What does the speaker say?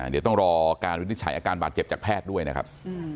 เดี๋ยวต้องรอการวินิจฉัยอาการบาดเจ็บจากแพทย์ด้วยนะครับ